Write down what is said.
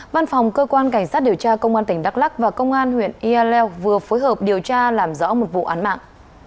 văn phòng cơ quan cảnh sát điều tra công an tỉnh đắk lắc và công an huyện iaeo vừa phối hợp điều tra làm rõ một vụ án mạng